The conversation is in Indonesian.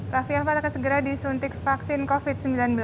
raffi ahmad akan segera disuntik vaksin covid sembilan belas